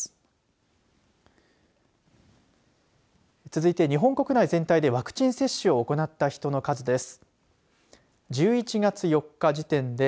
続いて、日本国内全体でワクチン接種を行った人の数です。